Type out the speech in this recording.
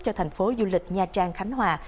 cho thành phố du lịch nha trang khánh hòa